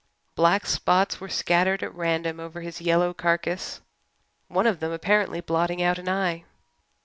Black spots were scattered at random over his yellow carcass, one of them, apparently, blotting out an eye.